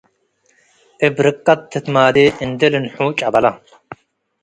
እብ ርቀየ ትትማዴ - እንዴ ልንሑ ጨበላ